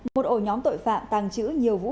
một ổ nhóm tội phạm tàng trữ nhiều vũ khí